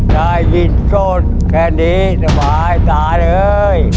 ได้ยินสดแค่นี้สบายตาเลย